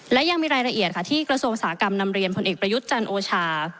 และยังมีรายละเอียดค่ะที่กระทรวงอุตสาหกรรมนำเรียนผลเอกประยุทธ์จันทร์โอชา